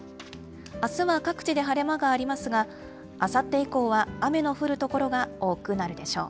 あすは各地で晴れ間がありますが、あさって以降は雨の降る所が多くなるでしょう。